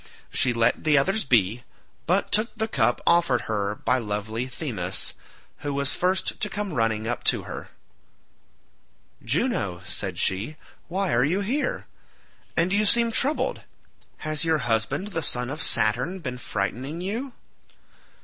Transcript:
She let the others be, but took the cup offered her by lovely Themis, who was first to come running up to her. "Juno," said she, "why are you here? And you seem troubled—has your husband the son of Saturn been frightening you?"